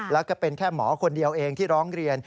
แล้วก็เป็นแค่หมอคนเดียวเองที่ร้องเรียน